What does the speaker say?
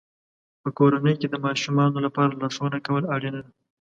په کورنۍ کې د ماشومانو لپاره لارښوونه کول اړینه ده.